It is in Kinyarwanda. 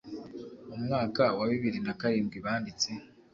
mu mwaka wa bibiri na karindwi banditse